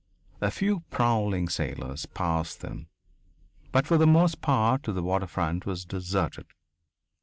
A few prowling sailors passed them. But for the most part the waterfront was deserted.